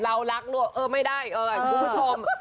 เรารักเออไม่ได้คุณผู้ชม